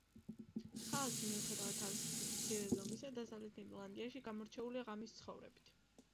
ქალაქი, მიუხედავად თავისი მცირე ზომისა, დასავლეთ ირლანდიაში გამორჩეულია ღამის ცხოვრებით.